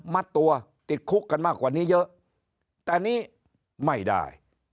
มัดตัวติดคุกกันมากกว่านี้เยอะแต่นี้ไม่ได้